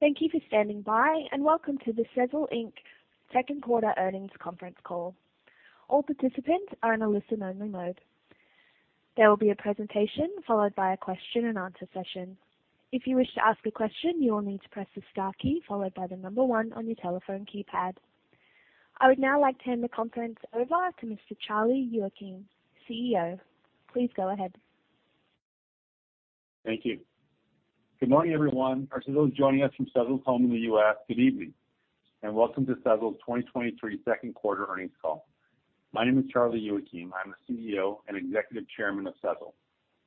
Thank you for standing by, and welcome to the Sezzle Inc. 2nd quarter earnings conference call. All participants are in a listen-only mode. There will be a presentation followed by a question-and-answer session. If you wish to ask a question, you will need to press the star key followed by the number one on your telephone keypad. I would now like to hand the conference over to Mr. Charlie Youakim, CEO. Please go ahead. Thank you. Good morning, everyone, or to those joining us from Sezzle's home in the U.S., good evening, and welcome to Sezzle's 2023 second quarter earnings call. My name is Charlie Youakim. I'm the CEO and Executive Chairman of Sezzle.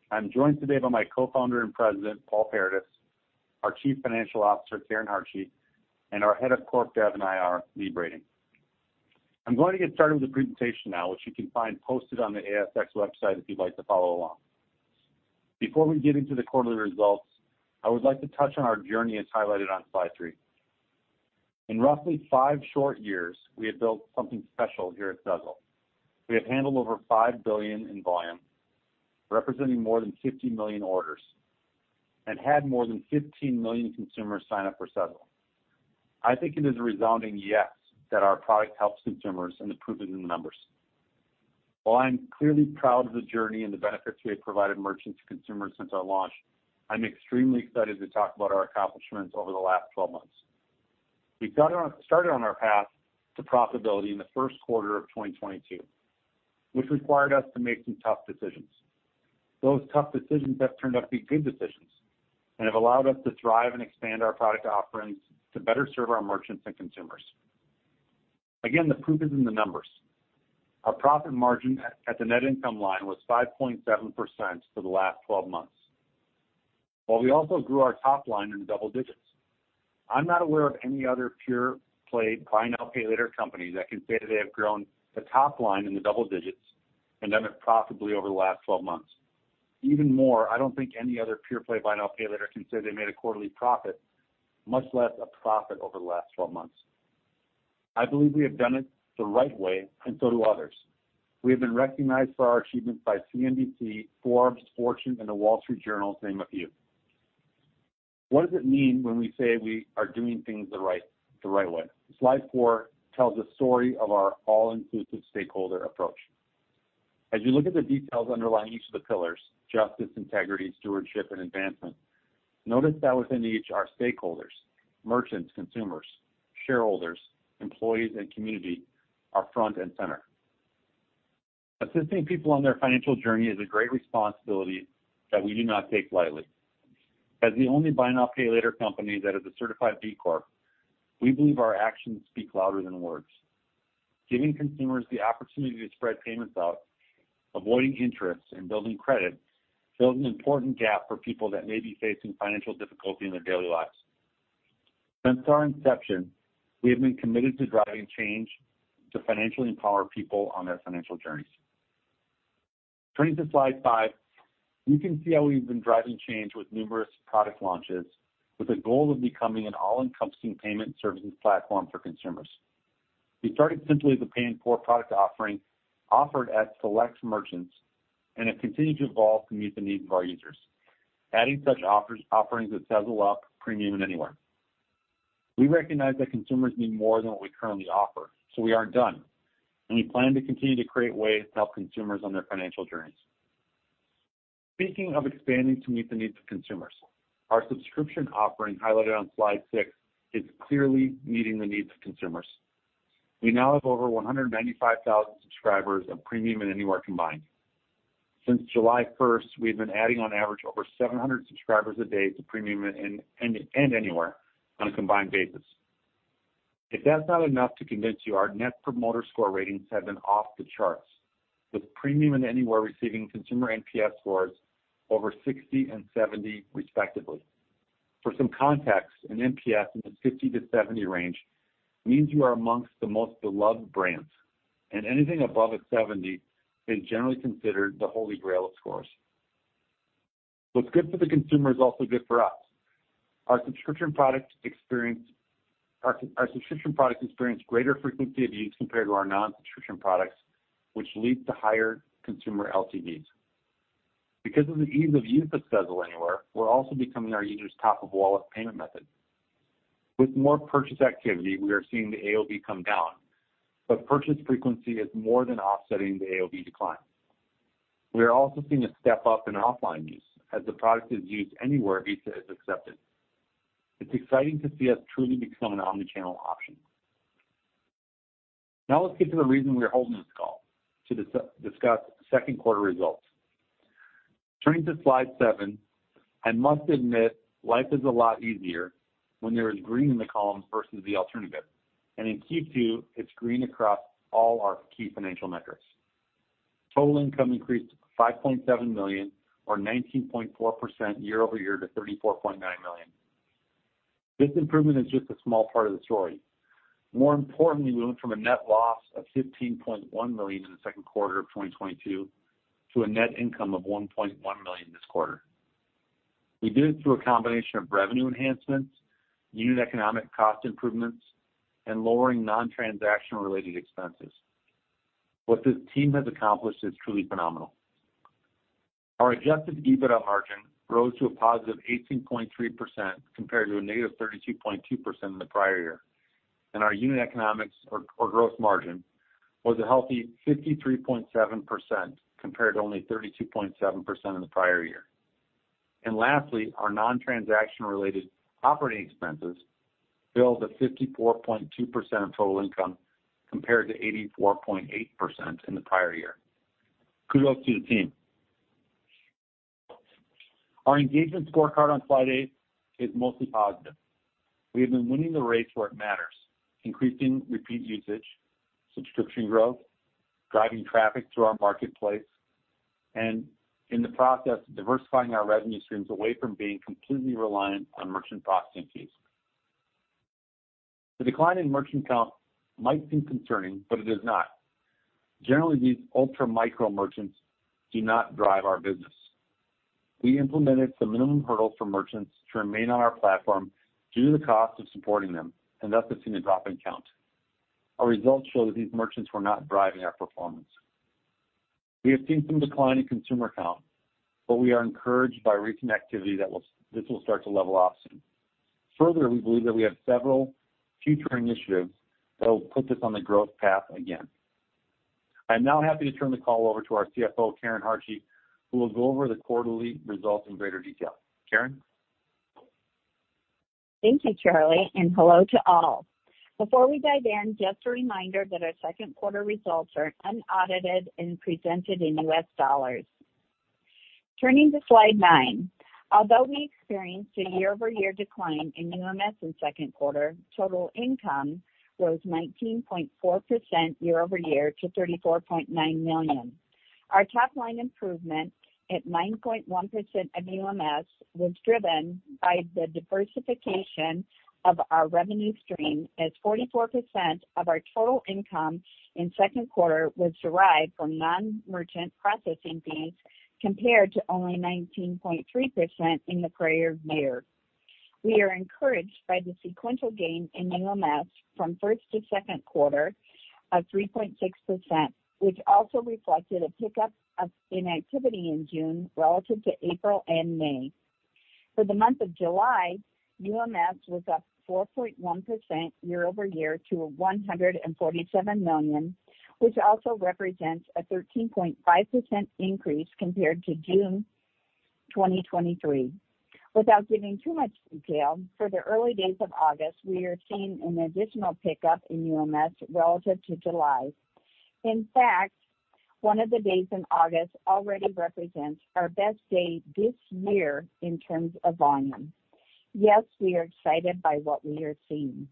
I'm joined today by my co-founder and President, Paul Paradis, our Chief Financial Officer, Karen Hartje, and our Head of Corp Dev and IR, Lee Brading. I'm going to get started with the presentation now, which you can find posted on the ASX website if you'd like to follow along. Before we get into the quarterly results, I would like to touch on our journey as highlighted on slide 3. In roughly five short years, we have built something special here at Sezzle. We have handled over $5 billion in volume, representing more than $50 million orders, and had more than $15 million consumers sign up for Sezzle. I think it is a resounding yes, that our product helps consumers, and the proof is in the numbers. While I'm clearly proud of the journey and the benefits we have provided merchants and consumers since our launch, I'm extremely excited to talk about our accomplishments over the last 12 months. We started on our path to profitability in the 1st quarter of 2022, which required us to make some tough decisions. Those tough decisions have turned out to be good decisions and have allowed us to thrive and expand our product offerings to better serve our merchants and consumers. Again, the proof is in the numbers. Our profit margin at the net income line was 5.7% for the last 12 months, while we also grew our top line in double digits. I'm not aware of any other pure-play, buy now, pay later company that can say that they have grown the top line in the double digits and done it profitably over the last 12 months. Even more, I don't think any other pure-play, buy now, pay later can say they made a quarterly profit, much less a profit over the last 12 months. I believe we have done it the right way, and so do others. We have been recognized for our achievements by CNBC, Forbes, Fortune, and The Wall Street Journal, to name a few. What does it mean when we say we are doing things the right, the right way? Slide 4 tells a story of our all-inclusive stakeholder approach. As you look at the details underlying each of the pillars, justice, integrity, stewardship, and advancement, notice that within each, our stakeholders, merchants, consumers, shareholders, employees, and community are front and center. Assisting people on their financial journey is a great responsibility that we do not take lightly. As the only buy now, pay later company that is a Certified B Corp, we believe our actions speak louder than words. Giving consumers the opportunity to spread payments out, avoiding interest, and building credit, fills an important gap for people that may be facing financial difficulty in their daily lives. Since our inception, we have been committed to driving change to financially empower people on their financial journeys. Turning to slide 5, you can see how we've been driving change with numerous product launches, with a goal of becoming an all-encompassing payment services platform for consumers. We started simply as a Pay in 4 product offering, offered at select merchants, have continued to evolve to meet the needs of our users. Adding such offerings as Sezzle Up, Premium, and Anywhere. We recognize that consumers need more than what we currently offer, we aren't done, we plan to continue to create ways to help consumers on their financial journeys. Speaking of expanding to meet the needs of consumers, our subscription offering, highlighted on slide six, is clearly meeting the needs of consumers. We now have over 195,000 subscribers of Premium and Anywhere combined. Since July 1st, we've been adding on average, over 700 subscribers a day to Premium and Anywhere on a combined basis. If that's not enough to convince you, our Net Promoter Score ratings have been off the charts, with Premium and Anywhere receiving consumer NPS scores over 60 and 70, respectively. For some context, an NPS in the 50-70 range means you are amongst the most beloved brands, and anything above a 70 is generally considered the holy grail of scores. What's good for the consumer is also good for us. Our subscription products experience greater frequency of use compared to our non-subscription products, which leads to higher consumer LTVs. Because of the ease of use of Sezzle Anywhere, we're also becoming our users' top-of-wallet payment method. With more purchase activity, we are seeing the AOV come down, but purchase frequency is more than offsetting the AOV decline. We are also seeing a step up in offline use, as the product is used anywhere Visa is accepted. It's exciting to see us truly become an omni-channel option. Let's get to the reason we are holding this call, to discuss second quarter results. Turning to slide 7, I must admit, life is a lot easier when there is green in the columns versus the alternative, and in Q2, it's green across all our key financial metrics. Total income increased to $5.7 million, or 19.4% year-over-year to $34.9 million. This improvement is just a small part of the story. More importantly, we went from a net loss of $15.1 million in the second quarter of 2022 to a net income of $1.1 million this quarter. We did it through a combination of revenue enhancements, unit economic cost improvements, and lowering non-transactional related expenses. What this team has accomplished is truly phenomenal. Our adjusted EBITDA margin rose to a positive 18.3%, compared to a negative 32.2% in the prior year. Our unit economics or gross margin was a healthy 53.7%, compared to only 32.7% in the prior year. Lastly, our non-transaction-related operating expenses fell to 54.2% of total income, compared to 84.8% in the prior year. Kudos to the team! Our engagement scorecard on slide 8 is mostly positive. We have been winning the race where it matters, increasing repeat usage, subscription growth, driving traffic to our marketplace, and in the process, diversifying our revenue streams away from being completely reliant on merchant processing fees. The decline in merchant count might seem concerning. It is not. Generally, these ultra micro merchants do not drive our business. We implemented some minimum hurdles for merchants to remain on our platform due to the cost of supporting them. Thus, we've seen a drop in count. Our results show that these merchants were not driving our performance. We have seen some decline in consumer count. We are encouraged by recent activity that this will start to level off soon. Further, we believe that we have several future initiatives that will put us on the growth path again. I'm now happy to turn the call over to our CFO, Karen Hartje, who will go over the quarterly results in greater detail. Karen? Thank you, Charlie, and hello to all. Before we dive in, just a reminder that our second quarter results are unaudited and presented in U.S. dollars. Turning to slide 9. Although we experienced a year-over-year decline in UMS in second quarter, total income rose 19.4% year-over-year to $34.9 million. Our top line improvement at 9.1% of UMS was driven by the diversification of our revenue stream, as 44% of our total income in second quarter was derived from non-merchant processing fees, compared to only 19.3% in the prior year. We are encouraged by the sequential gain in UMS from first to second quarter of 3.6%, which also reflected a pickup in activity in June relative to April and May. For the month of July, UMS was up 4.1% year-over-year to $147 million, which also represents a 13.5% increase compared to June 2023. Without giving too much detail, for the early days of August, we are seeing an additional pickup in UMS relative to July. In fact, one of the days in August already represents our best day this year in terms of volume. Yes, we are excited by what we are seeing.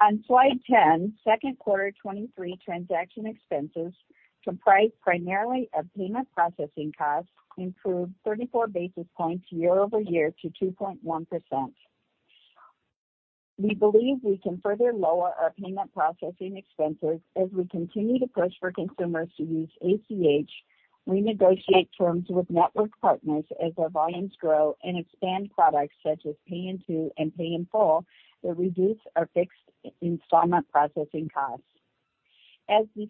On slide 10, 2Q23 transaction expenses, comprised primarily of payment processing costs, improved 34 basis points year-over-year to 2.1%. We believe we can further lower our payment processing expenses as we continue to push for consumers to use ACH, renegotiate terms with network partners as our volumes grow, and expand products such as Pay in 2 and Pay in Full, that reduce our fixed installment processing costs. As we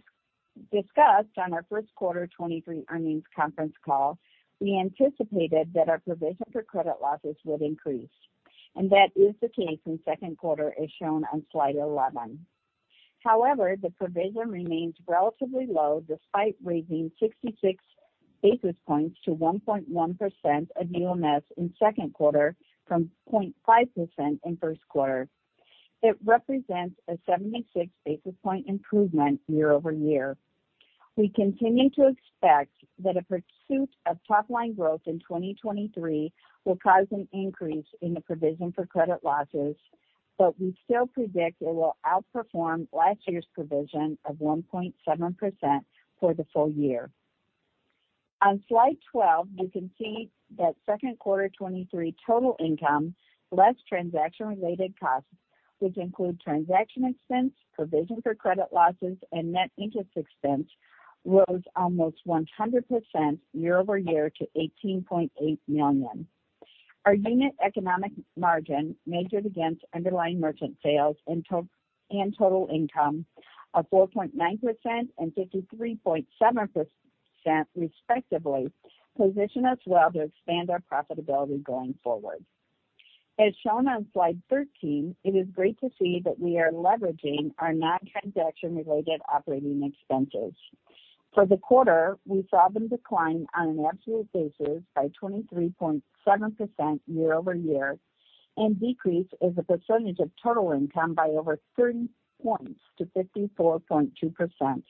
discussed on our 1st quarter 2023 earnings conference call, we anticipated that our provision for credit losses would increase, and that is the case in 2nd quarter, as shown on slide 11. However, the provision remains relatively low, despite raising 66 basis points to 1.1% of UMS in 2nd quarter from 0.5% in 1st quarter. It represents a 76 basis point improvement year-over-year. We continue to expect that a pursuit of top-line growth in 2023 will cause an increase in the provision for credit losses, we still predict it will outperform last year's provision of 1.7% for the full year. On slide 12, you can see that second quarter 2023 total income, less transaction-related costs, which include transaction expense, provision for credit losses, and net interest expense, rose almost 100% year-over-year to $18.8 million. Our unit economic margin measured against underlying merchant sales and total income are 4.9% and 53.7%, respectively, position us well to expand our profitability going forward. As shown on slide 13, it is great to see that we are leveraging our non-transaction-related operating expenses. For the quarter, we saw them decline on an absolute basis by 23.7% year-over-year and decrease as a percentage of total income by over 30 points to 54.2%.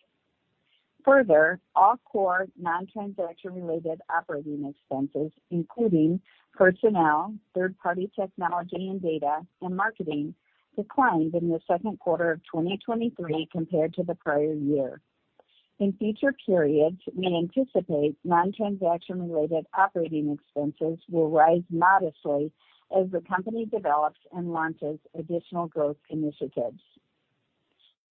Further, all core non-transaction-related operating expenses, including personnel, third-party technology and data, and marketing, declined in the second quarter of 2023 compared to the prior year. In future periods, we anticipate non-transaction-related operating expenses will rise modestly as the company develops and launches additional growth initiatives.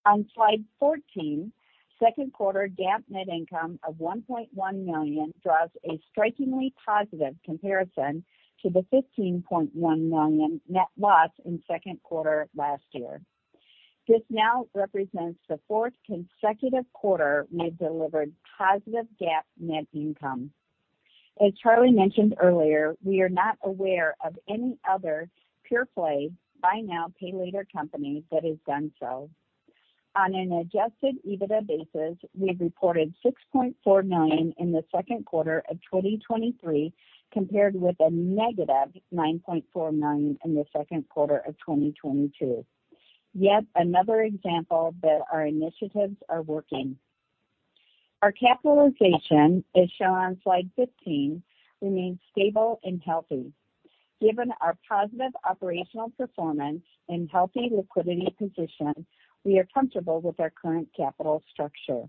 On slide 14, second quarter GAAP net income of $1.1 million drives a strikingly positive comparison to the $15.1 million net loss in second quarter last year. This now represents the fourth consecutive quarter we've delivered positive GAAP net income. As Charlie mentioned earlier, we are not aware of any other pure-play, buy now, pay later company that has done so. On an adjusted EBITDA basis, we've reported $6.4 million in the second quarter of 2023, compared with a negative $9.4 million in the second quarter of 2022. Another example that our initiatives are working. Our capitalization, as shown on slide 15, remains stable and healthy. Given our positive operational performance and healthy liquidity position, we are comfortable with our current capital structure.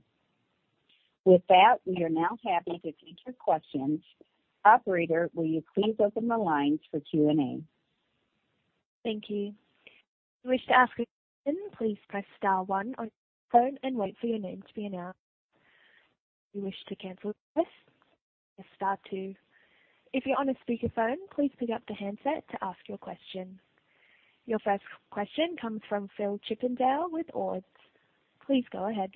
With that, we are now happy to take your questions. Operator, will you please open the lines for Q&A? Thank you. If you wish to ask a question, please press star one on your phone and wait for your name to be announced. If you wish to cancel your press, press star two. If you're on a speakerphone, please pick up the handset to ask your question. Your first question comes from Phil Chippendale with Ord Minnett. Please go ahead.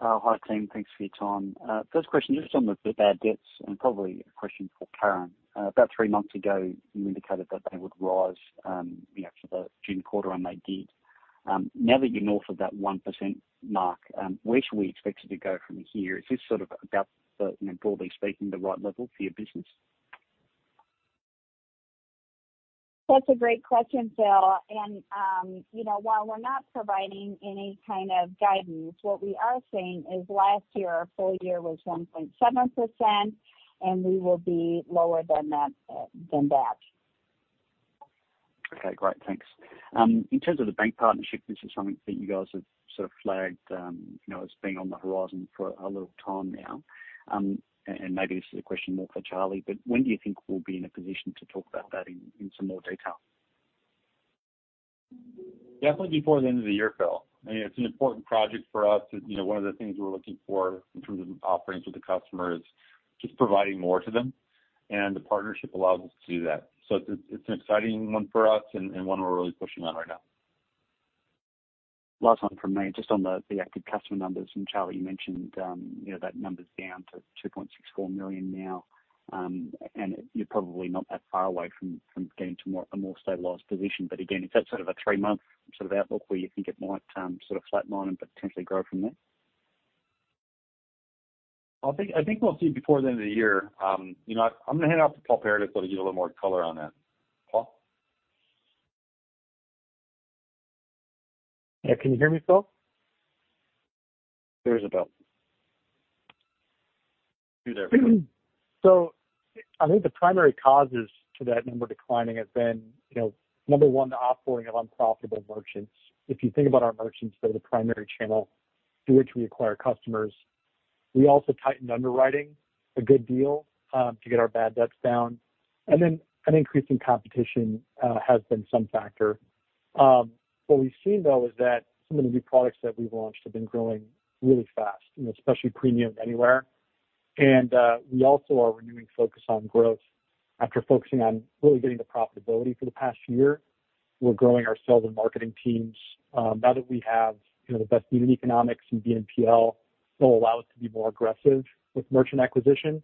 Hi, team. Thanks for your time. First question, just on the, the bad debts, and probably a question for Karen. About th months ago, you indicated that they would rise, you know, for the June quarter, and they did. Now that you're north of that 1% mark, where should we expect it to go from here? Is this sort of about the, you know, broadly speaking, the right level for your business? That's a great question, Phil. You know, while we're not providing any kind of guidance, what we are saying is last year, our full year was 1.7%, and we will be lower than that than that. Okay, great. Thanks. In terms of the bank partnership, this is something that you guys have sort of flagged, you know, as being on the horizon for a little time now. Maybe this is a question more for Charlie, but when do you think we'll be in a position to talk about that in, in some more detail? Definitely before the end of the year, Phil. I mean, it's an important project for us. You know, one of the things we're looking for in terms of offerings with the customer is just providing more to them, and the partnership allows us to do that. It's an exciting one for us and, and one we're really pushing on right now. Last one from me, just on the, the active customer numbers. Charlie, you mentioned, you know, that number's down to 2.64 million now. You're probably not that far away from getting to a more stabilized position. Again, is that sort of a three month sort of outlook where you think it might sort of flatline but potentially grow from there? I think, I think we'll see before the end of the year. You know, I'm gonna hand off to Paul Paradis to give a little more color on that. Paul? Yeah. Can you hear me, Phil? There's about. You there? I think the primary causes to that number declining has been, number one, the off-boarding of unprofitable merchants. If you think about our merchants, they're the primary channel through which we acquire customers. We also tightened underwriting a good deal, to get our bad debts down, and then an increase in competition has been some factor. What we've seen, though, is that some of the new products that we've launched have been growing really fast, especially Premium Anywhere. We also are renewing focus on growth after focusing on really getting to profitability for the past year. We're growing our sales and marketing teams. Now that we have the best unit economics from BNPL, so allow us to be more aggressive with merchant acquisition.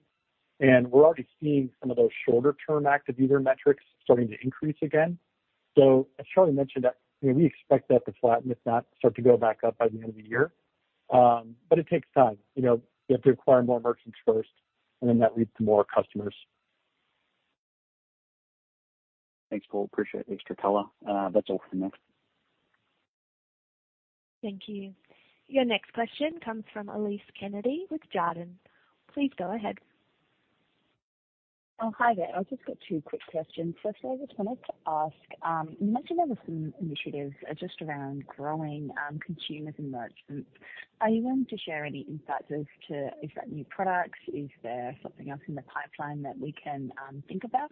We're already seeing some of those shorter-term active user metrics starting to increase again. As Charlie mentioned that, you know, we expect that to flatten, if not start to go back up by the end of the year. It takes time. You know, you have to acquire more merchants first, and then that leads to more customers. Thanks, Paul. Appreciate it. Thanks for the color. That's all for me. Thank you. Your next question comes from Elise Kennedy with Jarden. Please go ahead. Oh, hi there. I've just got two quick questions. First, I just wanted to ask, much of the recent initiatives are just around growing, consumers and merchants. Are you willing to share any insights as to is that new products? Is there something else in the pipeline that we can, think about?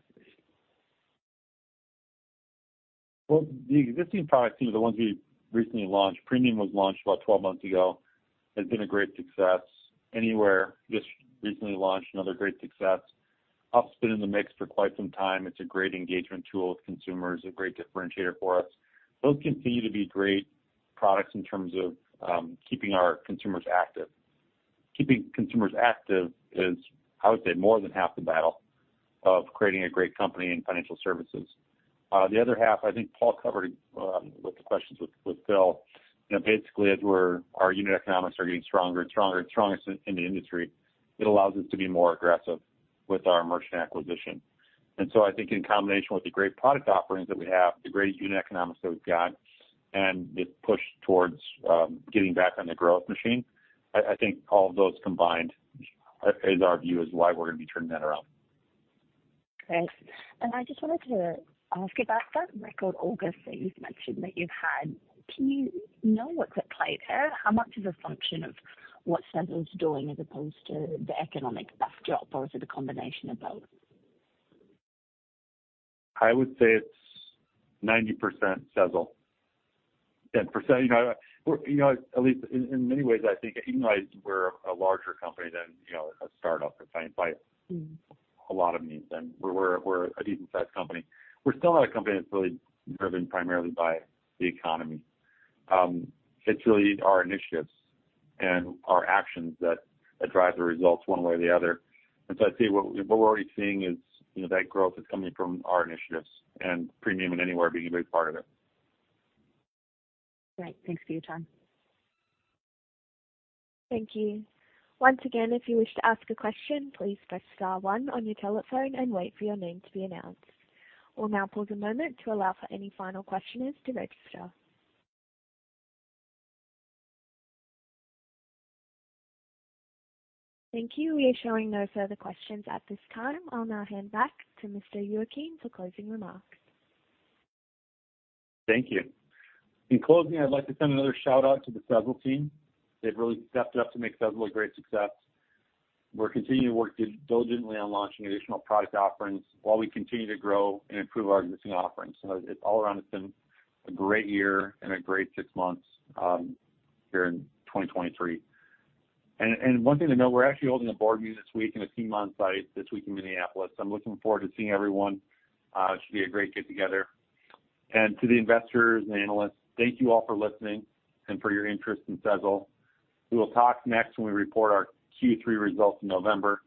Well, the existing product team are the ones we recently launched. Premium was launched about 12 months ago, has been a great success. Anywhere, just recently launched, another great success. Up's been in the mix for quite some time. It's a great engagement tool with consumers, a great differentiator for us. Those continue to be great products in terms of keeping our consumers active. Keeping consumers active is, I would say, more than half the battle of creating a great company in financial services. The other half, I think Paul covered with the questions with, with Phil. You know, basically, our unit economics are getting stronger and stronger and strongest in, in the industry, it allows us to be more aggressive with our merchant acquisition. So I think in combination with the great product offerings that we have, the great unit economics that we've got, and the push towards getting back on the growth machine, I, I think all of those combined is our view, is why we're going to be turning that around. Great. I just wanted to ask about that record, August, that you've mentioned that you've had. Do you know what's at play there? How much is a function of what Sezzle is doing as opposed to the economic backdrop, or is it a combination of both? I would say it's 90% Sezzle. 10%, you know, we're, you know, at least in, in many ways, I think even though we're a larger company than, you know, a startup by, by a lot of means, and we're, we're a decent-sized company. We're still not a company that's really driven primarily by the economy. It's really our initiatives and our actions that, that drive the results one way or the other. I'd say what, what we're already seeing is, you know, that growth is coming from our initiatives and Premium and Anywhere being a big part of it. Great. Thanks for your time. Thank you. Once again, if you wish to ask a question, please press star one on your telephone and wait for your name to be announced. We'll now pause a moment to allow for any final questioners to register. Thank you. We are showing no further questions at this time. I'll now hand back to Mr. Youakim for closing remarks. Thank you. In closing, I'd like to send another shout-out to the Sezzle team. They've really stepped up to make Sezzle a great success. We're continuing to work diligently on launching additional product offerings while we continue to grow and improve our existing offerings. All around, it's been a great year and a great six months here in 2023. One thing to note, we're actually holding a board meeting this week and a team on site this week in Minneapolis. I'm looking forward to seeing everyone. It should be a great get-together. To the investors and analysts, thank you all for listening and for your interest in Sezzle. We will talk next when we report our Q3 results in November.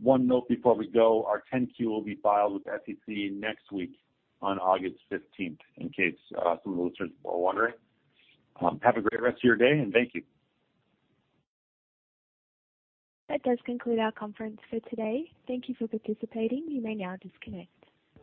One note before we go, our 10-Q will be filed with the SEC next week on August 15th, in case some of those are wondering. Have a great rest of your day, and thank you. That does conclude our conference for today. Thank you for participating. You may now disconnect.